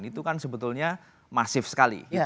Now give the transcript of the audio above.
itu kan sebetulnya masif sekali